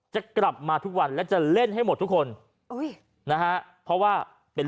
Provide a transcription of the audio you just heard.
จะกลับมาทุกวันและจะเล่นให้หมดทุกคนอุ้ยนะฮะเพราะว่าเป็น